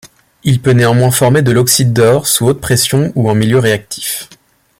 Il peut néanmoins former de l'oxyde d'or sous haute pression ou en milieu réactif.